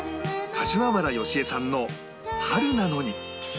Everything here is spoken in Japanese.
柏原芳恵さんの『春なのに』